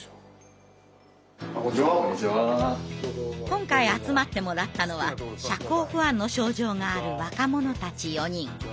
今回集まってもらったのは社交不安の症状がある若者たち４人。